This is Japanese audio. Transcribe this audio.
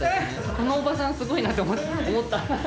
このおばさんすごいなと思った。